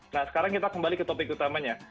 nah sekarang kita kembali ke topik utamanya